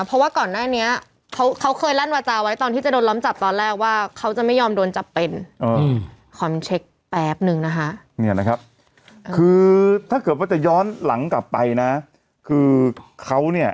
เพราะว่าก่อนหน้านี้เขาเขาเคยลั่นวจาไว้ตอนที่จะโดนล้อมจับตอนแรก